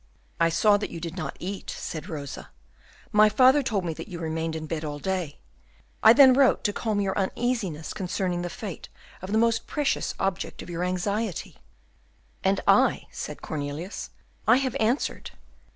"I saw that you did not eat," said Rosa; "my father told me that you remained in bed all day. I then wrote to calm your uneasiness concerning the fate of the most precious object of your anxiety." "And I," said Cornelius, "I have answered.